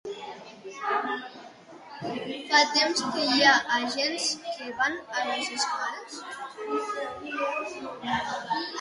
Fa temps que hi ha agents que van a les escoles?